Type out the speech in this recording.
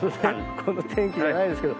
この天気じゃないですけど。